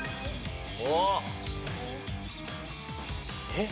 えっ？